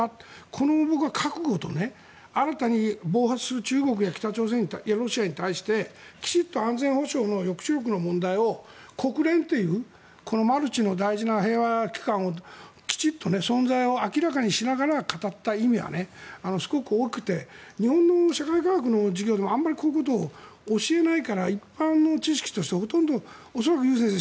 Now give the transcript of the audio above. この覚悟と、新たに暴発する中国や北朝鮮、ロシアに対してきちんと安全保障の抑止力の問題を国連というマルチの大事な平和機関をきちんと存在を明らかにしながら語った意味はすごく大きくて日本の社会科学の授業でもあまりこういうことを教えないから、一般の知識としてほとんど恐らく、李先生